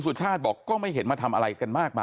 สวยชีวิตทั้งคู่ก็ออกมาไม่ได้อีกเลยครับ